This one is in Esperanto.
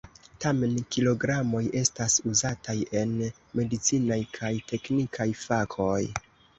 Tamen, kilogramoj estas uzataj en medicinaj kaj teknikaj fakoj.